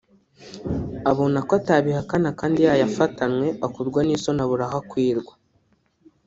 abona ko atabihakana kandi yayafatanwe akorwa n’isoni abura aho akwirwa